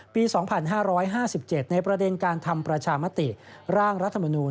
ปี๒๕๕๗ในประเด็นการทำประชามติร่างรัฐมนูล